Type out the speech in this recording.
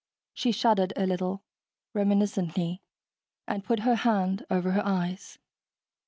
She shuddered a little, reminiscently, and put her hand over her eyes.